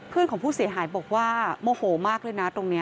ของผู้เสียหายบอกว่าโมโหมากเลยนะตรงนี้